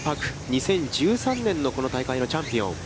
２０１３年のこの大会のチャンピオン。